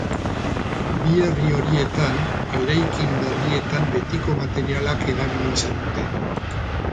Bi herri horietan eraikin berrietan betiko materialak erabili izan dute.